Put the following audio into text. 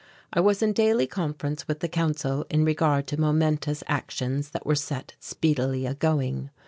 I was in daily conference with the Council in regard to momentous actions that were set speedily a going.